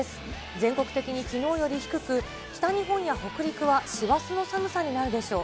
全国的にきのうより低く、北日本や北陸は師走の寒さになるでしょう。